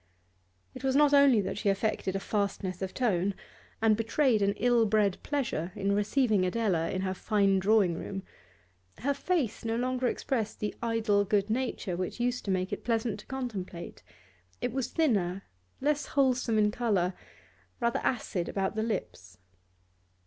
It was not only that she affected a fastness of tone, and betrayed an ill bred pleasure in receiving Adela in her fine drawing room; her face no longer expressed the idle good nature which used to make it pleasant to contemplate, it was thinner, less wholesome in colour, rather acid about the lips.